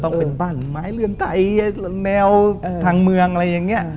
ต้องเป็นบ้านไม้เรืองไตแนวทางเมืองอะไรอย่างนี้